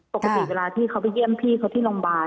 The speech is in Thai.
ปกติเวลาที่เขาไปเยี่ยมพี่เขาที่โรงพยาบาล